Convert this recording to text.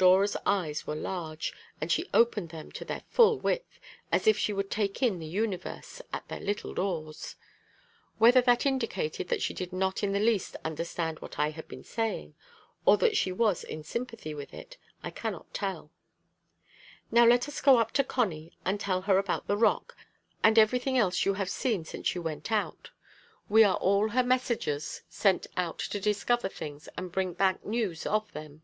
Dora's eyes were large, and she opened them to their full width, as if she would take in the universe at their little doors. Whether that indicated that she did not in the least understand what I had been saying, or that she was in sympathy with it, I cannot tell. "Now let us go up to Connie, and tell her about the rock and everything else you have seen since you went out. We are all her messengers sent out to discover things, and bring back news of them."